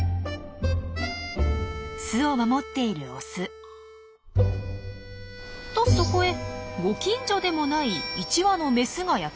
巣を守っているオス。とそこへご近所でもない１羽のメスがやって来ました。